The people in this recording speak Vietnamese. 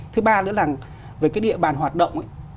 thứ ba nữa là về cái địa bàn hoạt động ấy